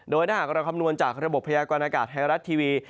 โดยหน้าหากลับคำนวณจากระบบพระยากรณากาศไฮรัททีวี